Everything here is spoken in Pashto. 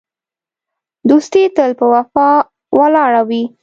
دوستي تل په وفا ولاړه وي.